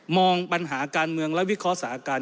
มองปัญหาการเมืองและวิเคราะห์สถานการณ์